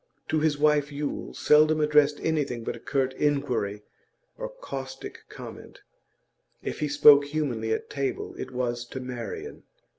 To his wife Yule seldom addressed anything but a curt inquiry or caustic comment; if he spoke humanly at table it was to Marian.